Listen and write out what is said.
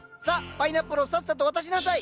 パイナップルをさっさと渡しなさい。